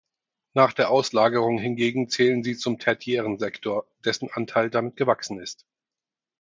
Nach der Auslagerung hingegen zählen sie zum tertiären Sektor, dessen Anteil damit gewachsen ist.